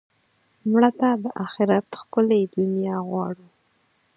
مړه ته د آخرت ښکلې دنیا غواړو